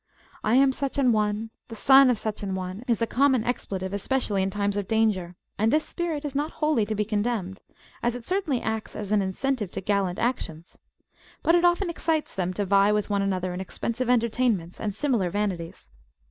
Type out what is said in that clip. I am such an one, the son of such an one, is a common expletive, especially in times of danger; and this spirit is not wholly to be condemned, as it certainly acts as an incentive to gallant actions. But it often excites them to vie with one another in expensive entertainments and similar vanities.